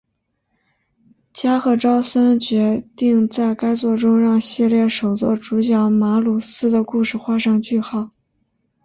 加贺昭三决定在该作中让系列首作主角马鲁斯的故事画上句号。